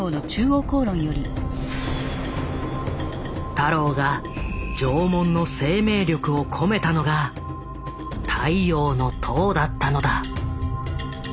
太郎が縄文の生命力を込めたのが「太陽の塔」だったのだ。